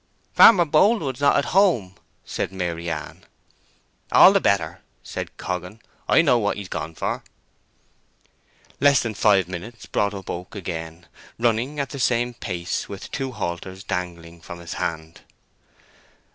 "Farmer Boldwood is not at home," said Maryann. "All the better," said Coggan. "I know what he's gone for." Less than five minutes brought up Oak again, running at the same pace, with two halters dangling from his hand.